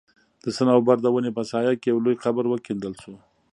د صنوبر د وني په سايه کي يو لوى قبر وکيندل سو